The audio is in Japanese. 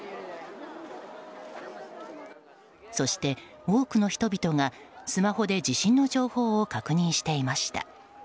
そして多くの人々がスマホで地震の情報を確認していました。